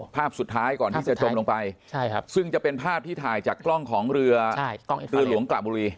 ภาพสุดท้ายก่อนที่จะจมลงไปซึ่งจะเป็นภาพที่ถ่ายจากกล้องของเรือเรือหลวงกระบุรี